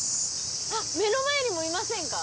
あっ目の前にもいませんか？